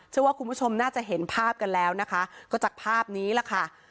เชื่อว่าคุณผู้ชมน่าจะเห็นภาพกันแล้วนะคะก็จากภาพนี้แหละค่ะ